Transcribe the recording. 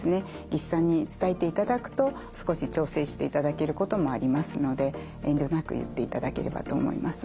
技師さんに伝えていただくと少し調整していただけることもありますので遠慮なく言っていただければと思います。